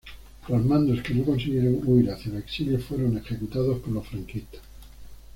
Los mandos que no consiguieron huir hacia el exilio fueron ejecutados por los franquistas.